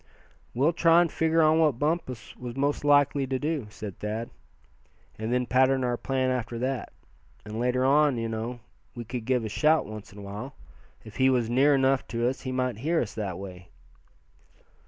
"We'll try and figure on what Bumpus was most likely to do," said Thad, "and then pattern our plan after that. And later on, you know, we could give a shout once in a while. If he was near enough to us he might hear us that way."